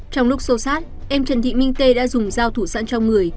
trong lúc sâu sát em trần thị minh tê đã dùng dao thủ sẵn trong người